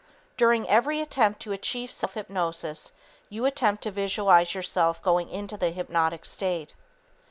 During every attempt to achieve self hypnosis, you attempt to visualize yourself going into the hypnotic state.